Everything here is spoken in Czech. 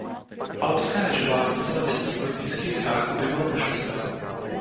Alpské lyžování se na Zimních olympijských hrách objevilo pošesté.